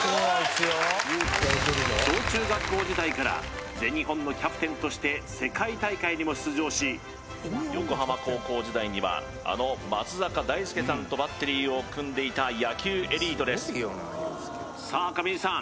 小中学校時代から全日本のキャプテンとして世界大会にも出場し横浜高校時代にはあの松坂大輔さんとバッテリーを組んでいた野球エリートですさあ上地さん